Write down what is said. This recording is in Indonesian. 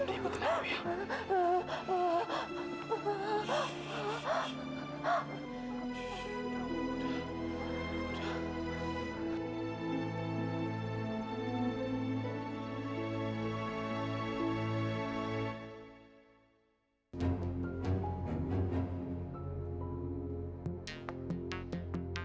ibu tenang ya